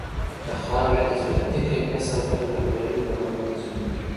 د خاورې د زراعتي کیفیت ساتنه د کرنې دوام تضمینوي.